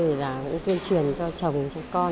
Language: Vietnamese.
tuyên truyền cho chồng cho con